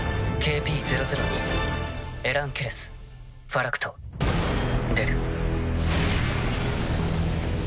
ＫＰ００２エラン・ケレスファラクト出る。